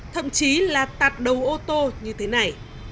thậm chí là tạt đầu ô tô như thế này